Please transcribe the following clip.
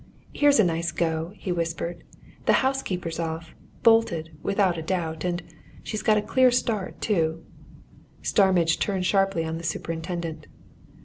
"Here's a nice go!" he whispered. "The housekeeper's off! Bolted without a doubt! And she's got a clear start, too." Starmidge turned sharply on the superintendent.